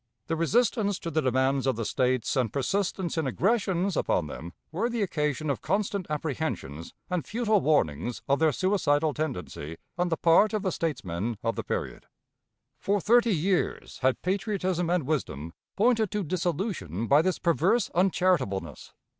The resistance to the demands of the States and persistence in aggressions upon them were the occasion of constant apprehensions and futile warnings of their suicidal tendency on the part of the statesmen of the period. For thirty years had patriotism and wisdom pointed to dissolution by this perverse uncharitableness.